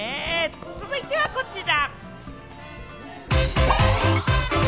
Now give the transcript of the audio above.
続いては、こちら。